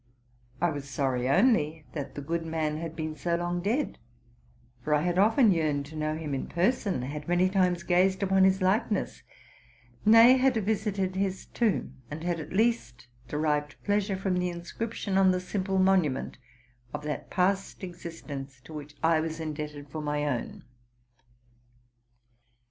I was sorry only that the good man had been so long dead; for I had often yearned to know him in person, had many times gazed upon his likeness, nay, had visited his tomb, and had at least derived pleasure from the inscription on the simple monument of that past exist ence to which I was indebted for my own.